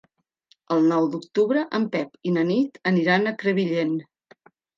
El nou d'octubre en Pep i na Nit aniran a Crevillent.